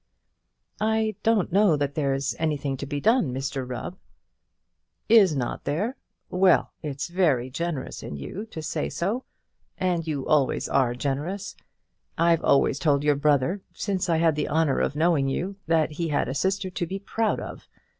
"I don't know that there's anything to be done, Mr Rubb." "Is not there? Well, it's very generous in you to say so; and you always are generous. I've always told your brother, since I had the honour of knowing you, that he had a sister to be proud of.